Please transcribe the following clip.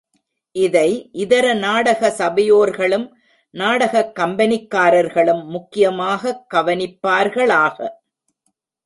இதை இதர நாடக சபையோர்களும், நாடகக் கம்பெனிக்காரர்களும் முக்கியமாகக் கவனிப்பார்களாக.